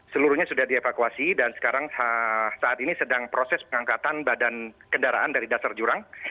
seluruhnya sudah dievakuasi dan sekarang saat ini sedang proses pengangkatan badan kendaraan dari dasar jurang